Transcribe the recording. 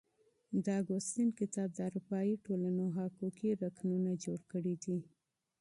د اګوستين کتاب د اروپايي ټولنو حقوقي رکنونه جوړ کړي دي.